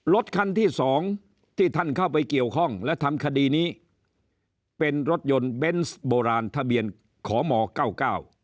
รถคันที่สองที่ท่านเข้าไปเกี่ยวข้องและทำคดีนี้เป็นรถยนต์เบนส์โบราณทะเบียนขอหมอเก้าเก้า